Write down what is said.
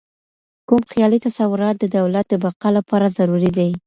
کوم خیالي تصورات د دولت د بقاء لپاره ضروري دي؟